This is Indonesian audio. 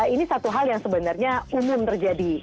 ini satu hal yang sebenarnya umum terjadi